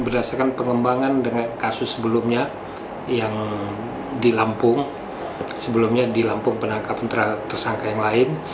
berdasarkan pengembangan dengan kasus sebelumnya yang dilampung sebelumnya dilampung penangkapan tersangka yang lain